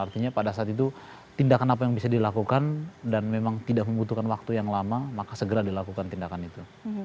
artinya pada saat itu tindakan apa yang bisa dilakukan dan memang tidak membutuhkan waktu yang lama maka segera dilakukan tindakan itu